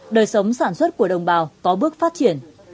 đời sống sản xuất của đồng bào có bước phát triển